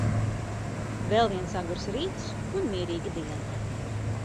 Vēl viens agrs rīts un mierīga diena.